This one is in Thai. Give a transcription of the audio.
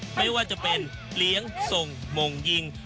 ไม่ว่าจะเป็นเลี้ยงส่งมงยิง